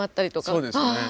そうですね。